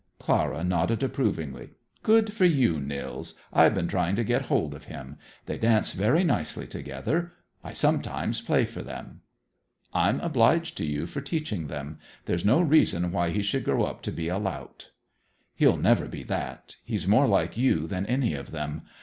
Clara nodded approvingly. "Good for you, Nils. I've been trying to get hold of him. They dance very nicely together; I sometimes play for them." "I'm obliged to you for teaching him. There's no reason why he should grow up to be a lout." "He'll never be that. He's more like you than any of them.